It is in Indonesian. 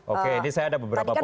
oke ini saya ada beberapa poin